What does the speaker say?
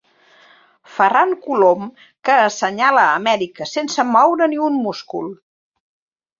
Ferran Colom que assenyala Amèrica sense moure ni un múscul.